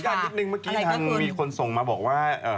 นิดนึงเมื่อกี้ทางมีคนส่งมาบอกว่า